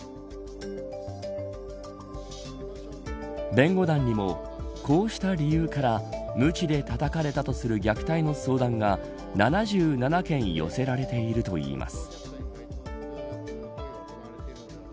弁護団にもこうした理由からむちでたたかれたとする虐待の相談が７７件寄せられているといいます。